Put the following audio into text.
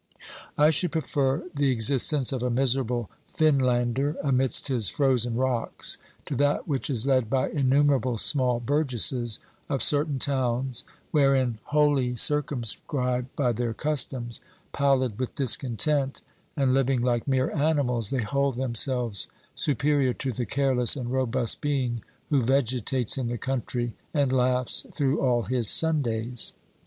I should prefer the existence of a miserable Finlander amidst his frozen rocks to that which is led by innumerable small burgesses of certain towns, wherein, wholly circum scribed by their customs, pallid with discontent, and living like mere animals, they hold themselves superior to the careless and robust being who vegetates in the country and laughs through all his Sundays.